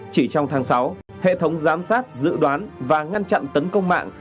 chỉ trong tháng sáu hệ thống giám sát dự đoán và ngăn chặn tấn công mạng